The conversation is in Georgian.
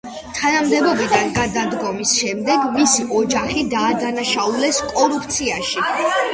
თანამდებობიდან გადადგომის შემდეგ მისი ოჯახი დაადანაშაულეს კორუფციაში.